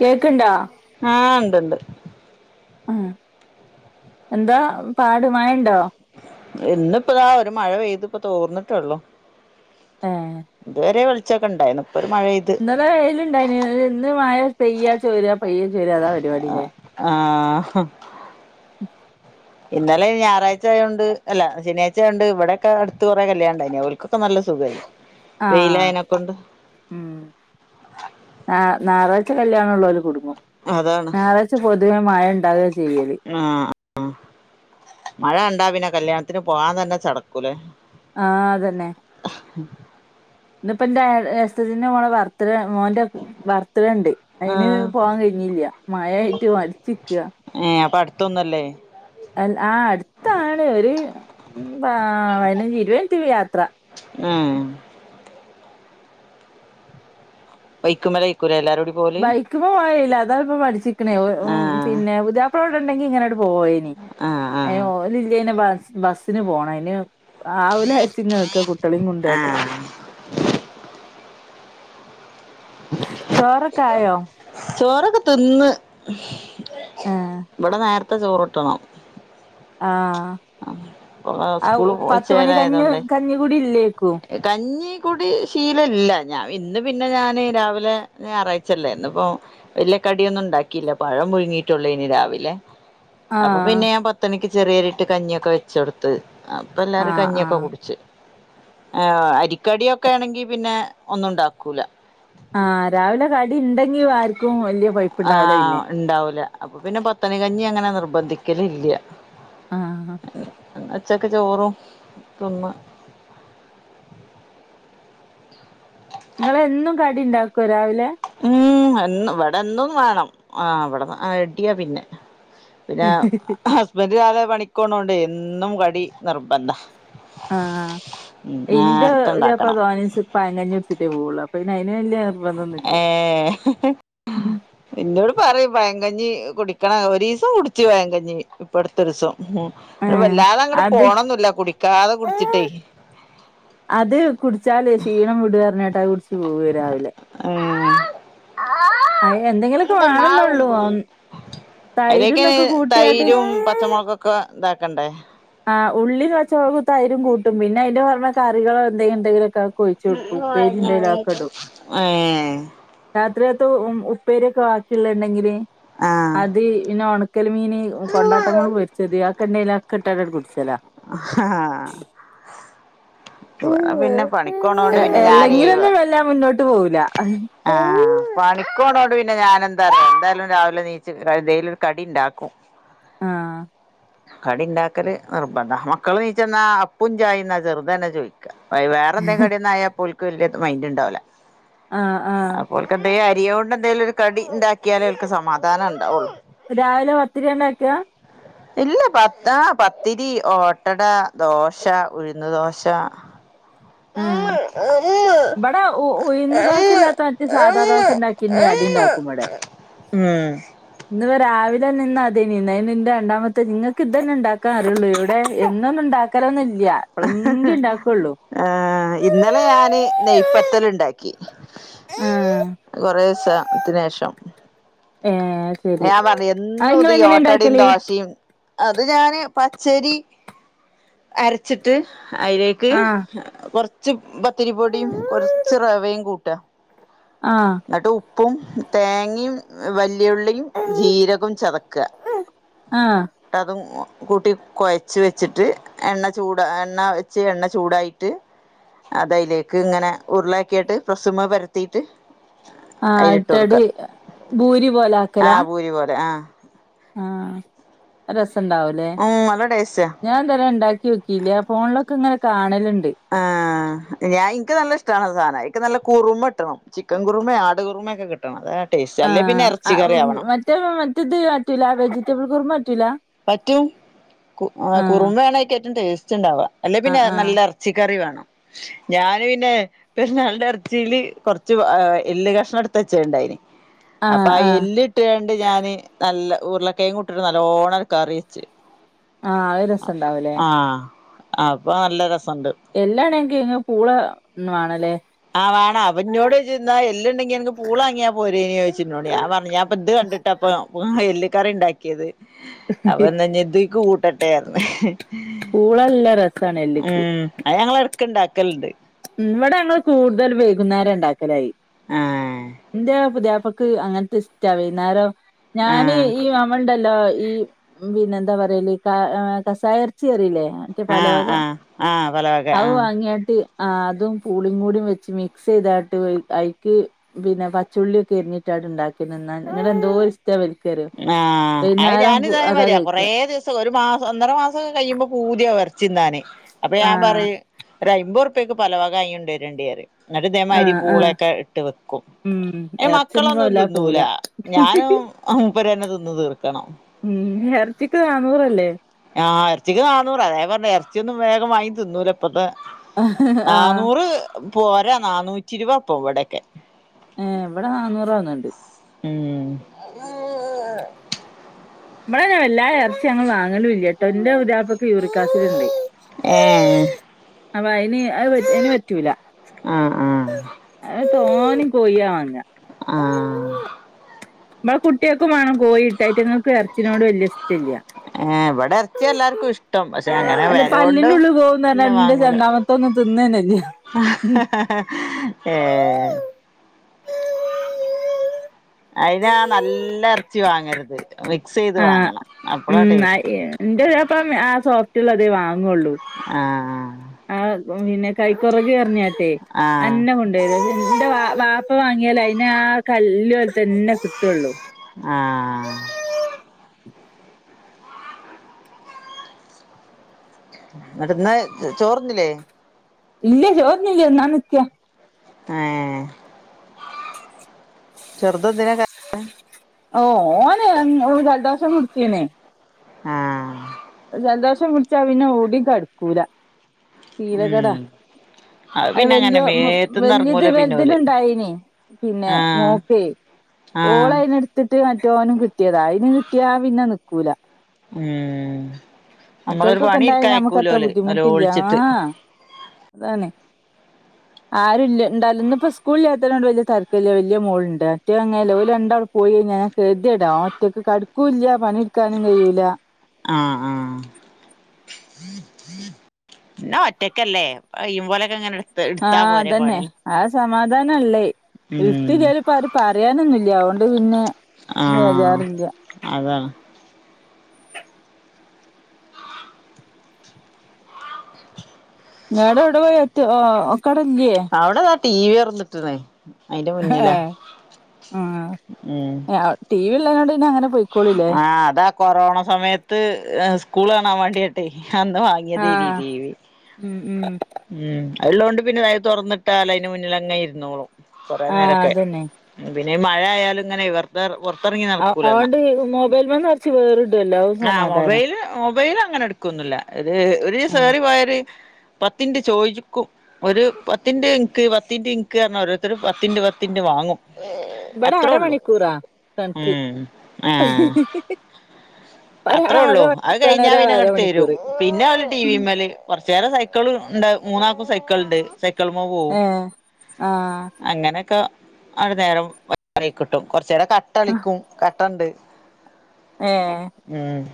കേക്കണ്ടാ ആഹ് ഇണ്ട്ണ്ട് ആ എന്താ പാട് മഴയുണ്ടോ ഇന്ന്പ്പോതാ ഒരു മഴ പെയ്ത് ഇപ്പോ തോർന്നിട്ടള്ളു ഏ ഇതുവരെ ഉച്ചൊക്കെ ഉണ്ടായിരുന്നു ഇന്നല്ല വെയിലുണ്ടായിനി ഇന്ന് മഴ പെയ്യ ചോരാ പയ്യ ചോര അതാ പരിപാടില്ലേ ആഹ ഉ ഇന്നലെ ഞറാഴ്ചയോണ്ട് അല്ല ശനിയാ്ച്ചയോണ്ട് ഇവിടെയൊക്കെ അടുത്ത കുറെേ കല്യാണണ്ട അോലക്കൊക്കെ നല്ലത് സുകൈനു ആ പച്ചല്ണുള്ളവ ഒരു കൊടുും അതാണ് ഞായറാച്ച പൊതുവേ മഴ ഉണ്ടകുക ചെയ്യല് ആഹ് മഴ ഇണ്ടാ പിന്നെ കല്യാണത്തിന് പോകൻ തന്നെ ചടക്കൂലേ ആഹ അതന്നെ ഇന്നിപ്പോ എൻറെ ജ്യേഷ്ഠത്തിയുടെ മോളെ ബർത്ത് ഡേ മോൻറെ ബർത്ത്ഡേ ഉണ്ട് അതിന് ആഹ് പോവാാൻ കഴിഞ്ഞില്ല മഴായിട്ട് മടിച്ചു നിൽക മറ്റൊന്നല്ലേ അ ആ അടുത്താണ് ഒരു പതിനഞ്ച് ഇരുപത് മിനിറ്റ് യാത്ര ഏ ബൈക്കുമല്ലേ കുലെ എല്ലാരും ബൈക്കുമേൽ പോകാൻ കഴിയില്ല അതാണിപ്പോൾ മടിച്ചുനിൽക്കുന്നത് ആഹ് പിന്നെ പുതിയാപ്പിള ഇവിടെ ഉണ്ടെങ്കിൽ ഇങ്ങനെ അങ്ങോട്ട് പോയനി ആഹ് അയിനെ ആഹ് ഓലില്ലെങ്കിൽ ബസിന് പോണം അയിനെ ആവൂല വിചാരിച്ചു നിൽക്കുകയാണ് കുട്ടിയോളി കൊണ്ടാട്ട് ആഹ് ചോറൊക്കെ ആയോ ചോറൊക്കെ തിന്ന് ആഹ് ഇവിടെ നേരത്തെ ചോറിട്ടണം ആഹ ആ സ്കൂള് പോയി പത്തു മണി ചേലായതോണ്ടേ കഞ്ഞികുടിയിലേക്കും കഞ്ഞി കൂടി ശീല ഇല്ല ഞൻ ഇന്ന് പിന്നെ ഞാൻ രാവിലെ ഞായറാഴ്ചല്ലേ ഇന്ന ഇപ്പ വല കടിയൊന്നും ഉണ്ടാക്കിയില്ല പഴം പുഴങ്ങിയിട്ടുള്ളൂ ഇനി രാവിലെ അപ്പൊ ആഹ് പിന്നെ ഞാൻ പത്തണിക്ക് ചെറിയരിട്ട് കഞ്ഞിയൊക്കെ വെച്ച കൊടുത്തത് അപ്പ എല്ലാരും ആഹ് കഞ്ഞിയൊക്കെ ആഹ് കുടിിച്ചച്ച് ആർ അരിക്കടിയൊക്കെ ആണെങ്കി പിന്നെ ഒന്നും ഉണ്ടാക്കൂല ആഹ രാവിലെ കടി ഉണ്ടെങ്കി ആർക്കും കൊഴപ്പുണ്ടാവൂല ആഹ പിന്നെ ഉണ്ടാവൂല അപ്പൊ പിന്നെ പത്തണികഞ്ഞി അങ്ങനെ നിർബന്ധിക്കല ഇല്ല ആഹ് ഉച്ചക്ക് ചോറും തിന്ന് നിങ്ങള എന്നും കടി ഉണ്ടാക്കും രാവിലെ ഉം ഇവിടെന്തോന്ന് വേണം ആ ഇവിടെന്ന് റെഡിയാ പിന്നെ പിന്നെ ഹസ്ബന്ഡ് കാലെ പണിക്കോണം കൊണ്ട് എന്നും കടി നിർബന്ധ ആഹ ഉം ഇന്റെ പുതിയാപ്പിള നേരത്തെണ്ടാക്കണം തോനെ ദിവസവും പഴങ്കഞ്ഞി കുടിച്ചിട്ട് പോകൂ അപ്പം പിന്നെ അയിന് വല്യ ഏ നിർബന്ധൊന്നുല്ല ഇന്നോട് പറയും ഭയങ്കര കഞ്ഞി കുടിക്കണം ഒരു ദിവസം കുടിിച്ചു പഴങ്കഞ്ഞി ഇപ്പം അടുത്ത ഒരു ദിവസം ഉ ഏഹ് വല്ലാതെ അങ്ങട്ട അത് പോണൊന്നില്ല കുടിക്കാതെ കുടിച്ചിട്ടേ അത് കുടിച്ചാല് ക്ഷീണം വിടഞ്ഞട്ടാ കുടിച്ച് പോവ വരാവില്ലെ മം അ എന്തെങ്കിലൊക്കെ വേണെന്നള്ളൂ ആ അലൊക്കെ തൈരും പച്ചമുളക്കുംൊക്കെ ഇതാക്കണ്ടേ ആ ഉള്ളിൽ കുറച്ചവത്തായതിും കൂട്ടും പിന്നെ അന്റെ പറഞ്ഞ കറികളോ എന്തെങ്കും എന്തെങ്കിലൊക്ക ഒഴിച്ചു കൊടുക്കും ഏഹ് ഉപ്പേരിയുണ്ടെങ്കിൽ അതൊക്കെ ഇടും ആഹ് ആഹ് ഇത്ര ഉ ഉപ്പേരിയൊക്കെ ബാക്കിയുള്ളുണ്ടെങ്കിൽ അത് പിന്നെ ഉ കക്കൽ മീ കൊണ്ടാട്ടമോള് പൊരിച്ചത് ആ കെണ്ടേലൊക്കെ ഇട്ടാട്ടായിട്ട് കുടിച്ചലാ ഇവിടെ പിന്നെ പണിക്കോണണ്ട് പിന്നെ ഞൻവ എല്ലെങ്കിലൊന്നും വല്ലാ മുന്നോട്ട് പോവൂല ആഹ പണിക്കോണ കൊണ്ട് പിന്നെ ഞാാന എന്താ എന്തായാലും രാവിലെ നീച് എന്തേലും കടി ഉണ്ടാക്കും ആഹ കടി ഉണ്ടാക്കല് നിർബന്ധ മക്കള് നീച്ചെന്നാ അപ്പും ചായന്നാ ചെറുത തന്നെ ചോദിക്കാ- വ വേറെ എന്തെങ്കും കടിയൊന്നായാ പുൽക്ക് വെല്യ മൈന്റുണ്ടാവില്ല- ആഹ് ആഹ്- അരി കൊണ്ട് എന്തേലും ഒരു കടിയുണ്ടാക്കിയാലേ അവൾക്ക് സമാധാനം ഉണ്ടാവുള്ളൂ രാവിലെ പത്തിരി ഉണ്ടാക്കിയതാ- ഇല്ല പത്ത് ആഹ് പത്തിരി ഓട്ടട ദോശ ഉഴുന്ന് ദോശ- ആഹ് ഇവിടെ ഉ [inaudible] ഉഴുന്ന് ദോശ ഇല്ലാത്ത മറ്റേ സാധാ ദോശ ഉണ്ടാക്കിണ്ട് [inaudible] അടി ഉണ്ടാക്കും ഇവിടെ ഇന്നിപ്പോ മ്ഹ്- രാവിലെ നിന്ന് അതീ നിന്ന് നിന്റെ രണ്ടാമത്തെ നിങ്ങൾക്ക് ഇതന്നെ ഉണ്ടാക്കാൻ അറിയുള്ളൂ ഇവിടെ എന്നൊന്നും ഉണ്ടാക്കലൊന്നും ഇ ഇല്ലൃ എപ്പളെങ്കി ഇണ്ടാക്കുള്ളൂ- ആഹ് ഇന്നലെ ഞാന് നെയ്പത്തല് ഉണ്ടാക്കി- ആഹ് കൊറേ സ ത്തിന് ശേഷം- ഏഹ് ശരി ഞാൻ പറഞ്ഞ് അത് എന്നും ഇങ്ങള് ഇതീ എങ്ങനെ ഓട്ടടയും ഇണ്ടാക്കല് ദോശയും- അത് ഞാന് പച്ചരി അരച്ചിട്ട്- അതിലേക്ക് ആഹ് കൊറച്ച് പത്തിരിപ്പൊടിയും കുറച്ച് റവയും കൂട്ടുക- ആഹ്- ഉപ്പും തേങ്ങയും വെല്യുള്ളിയും ജീരകവും ചതക്കുക- ആഹ് അതും മൂ കൂട്ടി കൊഴച്ച് വെച്ചിട്ട് എണ്ണ ചൂട് എണ്ണ വെച്ച് എണ്ണ ചൂടായിട്ട്- അത് അയിലേക്ക് ഇങ്ങനെ ഉരുളയാക്കിയിട്ട് പ്രസുമ്മേ പരത്തീട്ട്- ആഹ് അയിലിട്ട് കൊടുക്ക ഇട്ടടി ഭൂരി പോലെ ആക്കലാ ആഹ് പൂരി പോലെ ആഹ് ആഹ് അപ്പ സ് സം ഉണ്ടാവുല്ലേ ഉം നല്ല ടേസ്റ്റാ ഞാൻ ഇതുവരെ ഉണ്ടാക്കി നോക്കിയില്ല ഫോണിലൊക്കെ ഇങ്ങനെ കാണലു ആഹ് ഞാൻ എനിക്ക് നല്ല ഇഷ്ടാണ് ആ സാധനം എനിക്ക്‌ നല്ല കുറുമട്ടണം ചിക്കൻ കുറുമേം ആട് കുറുമെയൊക്കെ കിട്ടണം അതാ ടേസ്റ്റ് അല്ലേ പിന്നെ ആഹ് ആ ഇറച്ചി കറി ആവണം മറ്റേ മറ്റേത് പറ്റില്ല വെജിറ്റബിൾ കുറുമ പറ്റൂല പറ്റും കു ആഹ് കുറുമക്കാണ് ആയിക്ക് ഏറ്റം ടേസ്റ്റുണ്ടാവുക അല്ലെ ആഹ് പിന്നെ ആഹ് നല്ല എറച്ചിക്കറി വേണം ഞാന് പിന്നെ പെരുന്നാളുടെ ഇറച്ചിയില് കുറച്ച് ആ എല്ല് കഷ്ണം എടുത്ത് വെച്ച് ഉണ്ടായിനി അപ്പൊ ആഹ് ആ ആഹ് എല്ല് ഇട്ട് കണ്ട് ഞാന് നല്ല ഉരുളകിഴങ്ങ് ഇട്ടിട്ട് നല്ലോണം കറി വെച്ചു ആഹ് ആത് രസം ഇണ്ടാവുല്ലെ അപ്പൊ നല്ല രസം എല്ലാണെങ്കി അതിന് പൂള വേണല്ലേ ആഹ് വേണം അപ്പം എന്നോട് ചോദിച്ച് എന്താ എല്ലുണ്ടെങ്കി നിനക്ക് പൂള വാങ്ങിയാ പോരേന്ന് ചോദിച്ചെന്നോട് ഞാൻ പറഞ്ഞ് ഞാൻ ഇപ്പം ഇത് കണ്ടിട്ട അപ്പോ അപ്പൊ ആഹ് എല്ല് കറി ഉണ്ടാക്കിയത് അപ്പൊ എന്ന ഇനി ഇത് കൂട്ടട്ടേയെന്ന് പൂള നല്ല രസാണ് എല്ല്ക്ക് ഉം അത് ഞങ്ങള് ഇടക്കുണ്ടാക്കലുണ്ട് ഉം ഇവിടെ ഞങ്ങള് കൂടുതൽ വൈകുന്നേരം ഇണ്ടാക്കലായി ആഹ് എന്റെ പുതിയാ പ്പക്ക് അങ്ങനത്തെ ഇഷ്ടാ വൈകുന്നേരം ഞാന് ആഹ് ഈ മാമന്റെ ല്ലോ ഈ പിന്നെന്താ പറയല് ഈ ക കസായ ഇറച്ചി അറീല്ലേ മറ്റേ ആഹ് പലവക ആഹ് ആഹ് പലവക അവ ആഹ് വാങ്ങിയാട്ട് ആഹ് അതും പൂളിയും കൂടിയും വെച്ച് മിക്സ് ചെയ്താട്ട് അയിക്ക് പിന്നെ പച്ചുള്ളിയൊക്കെ എരിഞ്ഞിട്ട് അതിട്ട് ഉണ്ടാക്കി തിന്നാൻ ഇങ്ങനെ എന്തോര് ഇവൽക്കറിയോ ആഹ് അത് വൈന്നാരം ഞാനിതേ അതാ മാതിരിയാ കൊറേ കഴിക്കാ ദിവസം ഒരു മാസം ഒന്നര മാസമൊക്കെ കഴിയുമ്പോ പൂതിയ വ ചിന്താനെ അപ്പഴ് ഞാൻ ആഹ് പറയും ഒരു അയ്മ്പത്റുപ്പ്യക്ക് പലവക [unintelligible] ന്നിട്ട് ഇതേമാതിരി ആഹ് ആഹ് പൂളയൊക്കെ ഇട്ട് വെക്കും. ഉം ഏയ് എറച്ചിയൊന്നും മക്കളൊന്നും വല്ലാതെ തിന്നൂല പോവൂല ഞാനും മൂപ്പരും തന്നെ തിന്നു തീർ ക്കണം ഉം എറച്ചിക്ക് നാന്നൂറല്ലേ ആഹ് എറച്ചിക്ക് നാന്നൂറ അതേ പറഞ്ഞെ എർ ച്ചിയൊന്നും വേഗം വാങ്ങി തിന്നൂല. ഇപ്പത്തെ ആഹ് നാനൂറ് പോരാ നന്നൂറ്റി ഇരുപ അപ്പൊ ഇവിടെയൊക്കെ. ഏ എവിടെ നന്നൂറാവന്നണ്ട്. ഉം ഇമ്മടെ വല്ലാ ഇറച്ചി ഞങ്ങൾ വാങ്ങലുംല്ല ട്ടോ എന്റെ ഉതാപ്പൊക്കെ യൂറിക്കാസിടുണ്ട്. ഏ അ ഇനി അത് ഇനി പറ്റൂല. ആ ആ തോന കൊയ്യവാങ്ങ. ആ നമ്മ കുട്ടികക്കും വേണം ട്ടായിത്ങ്ങൾക്ക് ഇറച്ചിനോട് വല്യ ഇഷ്ടല്ല. ഏ ഇവിടെ ഇറച്ചിയ എല്ലാർക്കും ഇഷ്ടം. പക്ഷെ അങ്ങനെ അന്റെ വിലൊണ്ട പല്ലിന്റെ അങ്ങനെ വാങ്ങൂല. ന്നനക്ക [inaudible] ഏ [inaudible] അയിന് നല്ല ഇറച്ചി വാങ്ങരുത്. മിക്സ് ചെയ്ത് വാങ്ങണം അപ്പളാ ആഉം ടേസ്റ്റ് എന്റെ ചെലപ്പം ആ സോഫ്റ്റുള്ള അത വാങ്ങ ആഹ് ആ പിന്നെ കൈക്കുറക് പറഞ്ഞാട്ടെ ആ അന്ന കൊണ്ടരത്. എന്റെ വാ വാപ്പ വാങ്ങിയാലേ അയിന് ആ കല്ല് പോല് തന്നെ കിട്ടുവുള്ളു. ആ എന്നിട്ട്ന്നാ ചോറന്നില്ലേ. ഇല്ല ചോറിനില്യ ഉണ്ണാൻ നിക്ക. ആഹ് ചെറുതതിനിന കരയണെ. ഓ ഓന ജലദാഷം മുടിച്ചേനെ ആ ജലദോഷം പിടിച്ചാ പിന്നെ ഓട്യം കടക്കൂല. ഉം ശീലകേടാ അത് പിന്നെ അങ്ങനെ വല്യ മേത്ത്ന്ന് ഇറങ്ങൂല പിന്നെ ഓല് വല്യതിനിണ്ടായിനി പിന്നെ ആ മോക്ക്. ആ ഓള അയിന് എടുത്തിട്ട് മറ്റോനും കിട്ടിയതാ അതിന് കിട്ടിയ പിന്നെ നിക്കൂല. ഉം നമ്മളൊരു മറ്റേർക്കൊക്കെ പണി ഇണ്ടായ എടുക്കാൻ ഞമ്മക്ക് അത്ര അയക്കൂലോല് ബുദ്ധിമുട്ടില്ല. ആ നല്ലോളിച്ചിട്ട് അതാണ്. [inaudible] ആരും ഇല്ല ഇണ്ട ഇപ്പോ സ്കൂളിൽ ല്ലത്തണ്ട് വലിയ തർക്ക ഇില്ല വല്യ മോളണ്ട് മറ്റ അങ്ങനെ ല്ല ലവല രണ്ടാൾ പോയി പിന്നെ ഗതികേടാ ഒറ്റക്ക് കടുക്കൂല്ല. പണിടുക്കാനും കഴിയൂല. പിന്ന ഒറ്റക്കല്ലേ പയ്യും പോലൊക്കെ അങ്ങന എടുത്താ പോരെ പണി. ന്നല്ലേ ഉം ഇട്ത്തിലേല് ചിലപ്പോ അവര് പറയാനൊന്നുല്ല. അതൊണ്ട് പിന്നെ ആഹ് ബേജാറില്ല അതാണ്. [inaudible] ഞട എവിടെ പോയി എ ഒകടല്ലേ അവിടെതാ ടി വി തുറന്നിട്ടണ്. ഹ ഉം ഉ ടി വി ഇള്ളതോണ്ട് ന്നഅങ്ങനെ പോയിക്കോളില്ലേ. ആഹ് അതാ കൊറോണ സമയത്ത് സ്കൂൾ കാണാ വേണ്ടിട്ടെ അന്ന് വാങ്ങിയത്ഈ ആഹ് ടീവി. ഉം ഉം ഉം ഉള്ളൊണ്ട് പിന്നെ അത് തുറന്നിട്ടാല് അതിന് മുന്നിലങ്ങേ ഇരുന്നോളൂ. കൊറെ ആഹ് നേരൊക്കെ അതന്നെ പിന്നെ മഴ ആയാലും ഇങ്ങനെഇവർട റങ്ങി നടക്കൂല എന്ന അതുകൊണ്ട് മൊബൈൽമന്ന് കുറച്ച് വേറിടുവല്ലോ അത് ആ സമാധാനാ മൊബൈല് മൊബൈല് അങ്ങനെ എടുക്കുവൊന്നുമില്ല ഇത് ഒരു സോറി പോയര് പത്തിന്റെ ചോദിക്കും. ഒരു പത്തിൻ്റെ ഇക്ക്പത്തി്ന്റെ ഇക്ക് പറഞ്ഞാൽ ഓരോരുത്തർ പത്തിന്റെ പത്തി്ന്റെ വാങ്ങും. ഇവിടെ അത്ര ഉള്ളു. അരമണിക്കൂറാ ഉ കണക്ക് ആ ഒരാൾ അത്രേള്ളൂ. അത് അരമണിക്കൂറാണ് കഴിഞ്ഞാ ഒരാൾ പിന്നെ അങ്ങടെ തരും. അരമണിക്കൂറ് പിന്നെ അവര് ടി വിമ്മേല് കുറച്ചരം സൈക്കൾ ഉണ്ട് മൂന്നാാക്കും സൈക്കിൾ ഉണ്ട് സൈക്കിൾമ പോവും ഏഹ് ആഹ് അങ്ങനെയൊക്കെ അത്കൊണ്ട് നേരം [unintelligible] കിട്ടും കൊറച്ച് നേരം കട്ട കളിക്കും, കട്ട ഇണ്ട്. ഏഹ് ഉം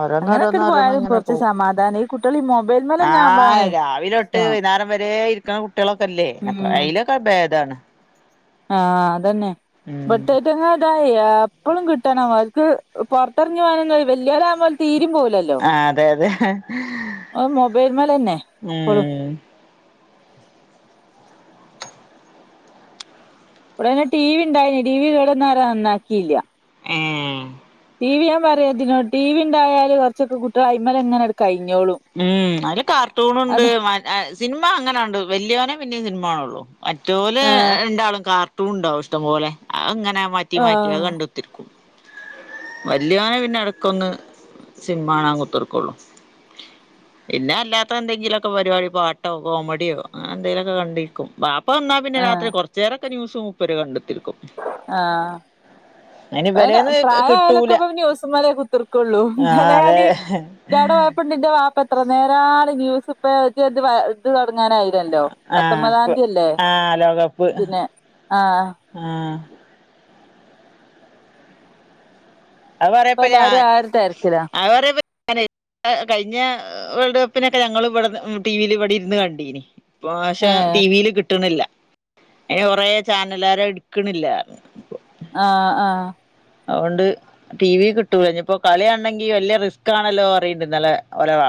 ഓരോന്ന് ഓരോന്ന് അങ്ങനൊക്കെട് ഓരോന്ന് പോയാലും അങ്ങനെ കുറച്ച് പോവും സമാധാനം ഈ കുട്ടികൾ ഈ മൊബൈൽമേലന്നെ ആ ആവുമ്പോഴാണ് രാവിലെതൊട്ട് പ്രശ്നം വൈന്നാ രം വരെ ഇരിക്കുന്ന കുട്ടികളൊക്കെല്ലേ ഉം അയ്ലൊക്കെ ഭേദമാണ്. ആഹ് അതന്നെ ഉം ഇവടത്തെറ്റങ്ങൾ ഇതാ എപ്പഴും കിട്ടണം, അവർക്ക് പൊറത്തെറങ്ങി പോവാനൊന്നും വല്ലിയൊരാവുമ്പോ തീരിം പോവു വുല്ലല്ലോ ആഹ് അതെ അതെ മൊബൈൽമൽന്നെ ഇപ്പഴും. ഉം ഇവിടെന്നെ ടി വി ഉണ്ടായിനി, ടി വി കേട്ന്നാരെ നന്നാക്കിയില്ല. ഏഹ് ടി വി ഞാൻ പറയും അയിറ്റങ്ങളോട് ടി വി ഇണ്ടായാല് കൊറച്ചൊക്കെ കുട്ടികൾ അയ്മലങ്ങനട് കയി മ് അതില് കാർട്ടൂൺ ഉണ്ട്, അത് മ അ സിനിമ അങ്ങനാണ്ട് വലിയോനേ പിന്നേം സിനിമ കാണുള്ളൂ. മറ്റോല് ആഹ് രണ്ടാളും കാർട്ടൂൺ ഉണ്ടാവും ഇഷ്ടം പോലെ, അതങ്ങനെ ന മാറ്റി മാറ്റി അത് ആഹ് കണ്ട് കുത്തിരിക്കും. വല്യോൻ പിന്നെ ഇടക്കൊന്ന് സിനിമ കാണാൻ കുത്തിര്ക്കുള്ളു. പിന്നെ അല്ലാത്ത എന്തെങ്കിലൊക്കെ പരിപാടി പാട്ടോ കോമഡിയോ അങ്ങനെ എന്തെലൊക്കെ കണ്ടിരിക്കും, വാപ് പ്പ വന്ന പിന്നെ രാത്രി ആഹ് കൊറച്ചെരൊക്കെ ന്യൂസ് മൂപ്പര് കണ്ട് കുത്തിരി ആഹ് അയിന് അതിന് ഇബലേന്ന് കിട്ടൂല പ്രായായാലൊക്കെപ്പം ന്യൂസ്‌മലെ കുത്തിര്ക്കുള്ളൂ ആഹ് ഇന്നലെ അതെ ഞാന് ന്റാടെ പോയപ്പോണ്ട് ന്റെ വാപ്പ എത്ര നേരാണ് ന്യൂസ് ഇപ്പെ [unintelligible] പ്പങ്ങാനയിനല്ലോ പത്തൊമ്പതാം ആഹ് തീയ്യല്ലേ ആഹ് ലോകകപ്പ് പിന്നെ ആഹ് ആഹ് അത് ഇപ്പ പറയാപ്പം ഞാൻ എല്ലാരും ആ ഒരു തിരക്കിലാ അവപറയാപ്പം [unintelligible] കഴിഞ്ഞ വേൾഡ് കപ്പിനൊക്കെ ഞങ്ങളും ഇവടന്ന് മ് ടി വിയിൽ ഇവിടെ ഇരുന്ന് കണ്ടീനി. ഇപ്രാവശ്യം ടി ഏഹ് വി യില് കിട്ടണില്ല. അയിന് കൊറെ ചാനലാര് എടുക്കണില്ല പറഞ്ഞ് ഇപ്പോ. ആഹ് ആഹ്- അതുകൊണ്ട് ടി വി കിട്ടൂല, ഇനിയിപ്പോ കളികാണണെങ്കിൽ വലിയ റിസ്ക് ആണല്ലോന്ന് പറയണ്ട് ഇന്നലെ ഒലെ വാപ്പ-